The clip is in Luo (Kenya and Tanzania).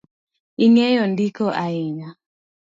Ing’eyo ndiko ahinya